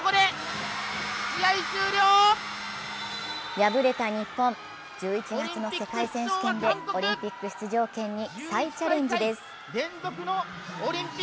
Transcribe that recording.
敗れた日本、１１月の世界選手権でオリンピック出場権に再チャレンジです。